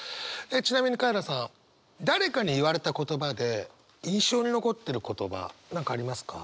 ちなみにカエラさん誰かに言われた言葉で印象に残ってる言葉何かありますか？